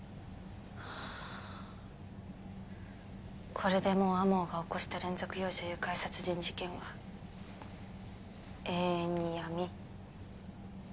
これでもう天羽が起こした連続幼女誘拐殺人事件は永遠に闇。